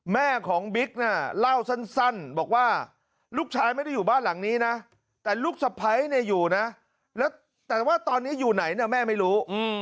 แม่ของบิ๊กเนี่ยเล่าสั้นบอกว่าลูกชายไม่ได้อยู่บ้านหลังนี้นะแต่ลูกสะพ้ายเนี่ยอยู่นะแล้วแต่ว่าตอนนี้อยู่ไหนเนี่ยแม่ไม่รู้